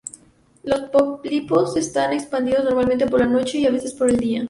Los pólipos están expandidos normalmente por la noche y, a veces, por el día.